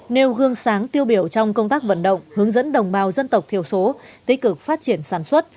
nêu gương sáng tiêu biểu trong công tác vận động hướng dẫn đồng bào dân tộc thiểu số tích cực phát triển sản xuất